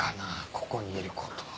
ここにいること。